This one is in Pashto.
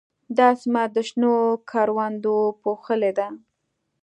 دا سیمه د شنو کروندو پوښلې ده.